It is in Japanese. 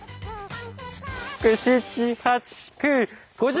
６７８９５０！